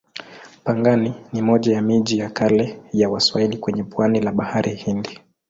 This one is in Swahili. Pangani ni moja ya miji ya kale ya Waswahili kwenye pwani la Bahari Hindi.